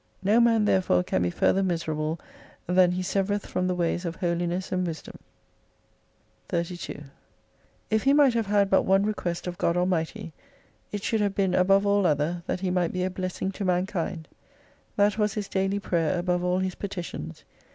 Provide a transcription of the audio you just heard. No man therefore can be further miserable than he severeth from the ways of holiness and wisdom. 32 If he might have had but one request of God Almighty, it should have been above all other, that he might be a blessing to mankind. That was his daily prayer above all his petitions.